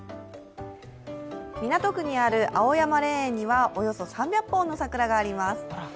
港区にある青山霊園には、およそ３００本の桜があります。